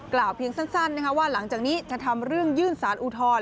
เพียงสั้นว่าหลังจากนี้จะทำเรื่องยื่นสารอุทธรณ์